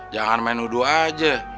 jangan main nudu aja